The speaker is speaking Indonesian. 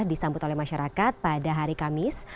disambut oleh masyarakat pada hari kamis